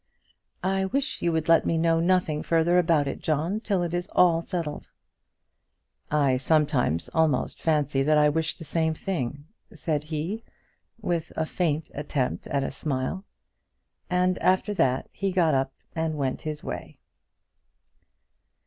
"I wish you would let me know nothing further about it, John, till it is all settled." "I sometimes almost fancy that I wish the same thing," said he, with a faint attempt at a smile; and after that he got up and went his way.